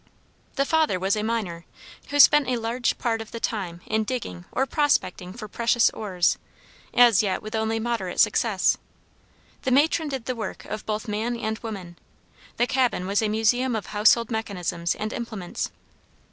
The father was a miner, who spent a large part of the time in digging or "prospecting" for precious ores, as yet with only moderate success. The matron did the work of both man and woman. The cabin was a museum of household mechanisms and implements.